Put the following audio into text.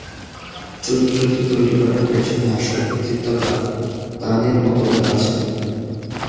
চরিত্রটি তৈরী করার পিছনে আসল কৃতিত্ব কার, তা নিয়ে মতভেদ আছে।